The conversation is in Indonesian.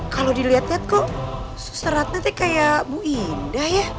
kalau dilihat lihat kok seratnya kayak bu indah ya